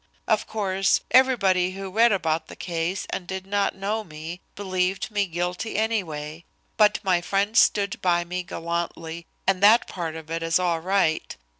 Of course, everybody who read about the case and did not know me, believed me guilty anyway, but my friends stood by me gallantly, and that part of it is all right.